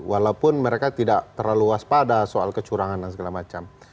walaupun mereka tidak terlalu waspada soal kecurangan dan segala macam